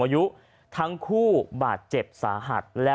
จังหวะเดี๋ยวจะให้ดูนะ